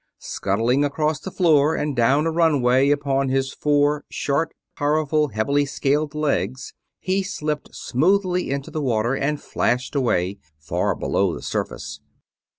Scuttling across the floor and down a runway upon his four short, powerful, heavily scaled legs, he slipped smoothly into the water and flashed away, far below the surface.